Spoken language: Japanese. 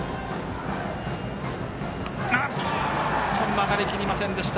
曲がりきりませんでした。